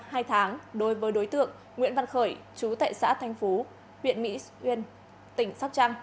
trong hai tháng đối với đối tượng nguyễn văn khởi chú tại xã thanh phú huyện mỹ uyên tỉnh sóc trăng